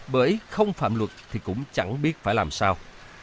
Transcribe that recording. bởi không phạm luật thì cũng chẳng biết phải làm sao